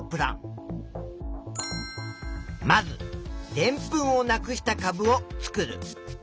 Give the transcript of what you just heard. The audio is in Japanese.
まずでんぷんをなくしたかぶを作る。